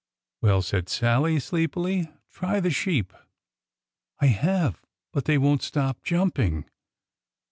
" Well," said Sallie, sleepily, " try the sheep." "I have; — but they won't stop jumping."